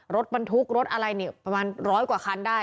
รถบรรทุกรถอะไรเนี่ยประมาณร้อยกว่าคันได้